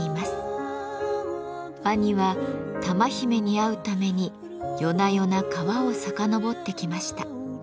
ワニは玉姫に会うために夜な夜な川をさかのぼってきました。